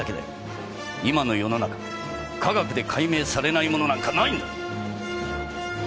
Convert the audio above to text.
今の世の中科学で解明されないものなんかないんだ！